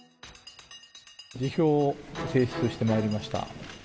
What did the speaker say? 辞表を提出してまいりました。